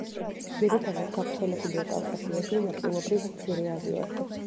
ძირითადად გავრცელებულია კავკასიაში, ნაწილობრივ მცირე აზიაში.